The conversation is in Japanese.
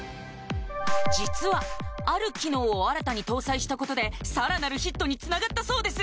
実はある機能を新たに搭載したことでさらなるヒットにつながったそうです